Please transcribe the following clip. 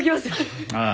ああ。